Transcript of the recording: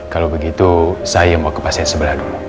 kalau begitu saya mau ke pasien sebelah dulu